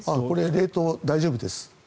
冷凍、大丈夫です。